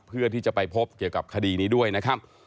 เพื่อที่จะไปพบเกี่ยวกับคดีนี้ด้วยนะครับ